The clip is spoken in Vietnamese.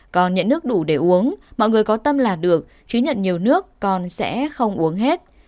còn nhận nước đủ để uống mọi người có tâm là được chứ nhận nhiều nước còn sẽ không uống hết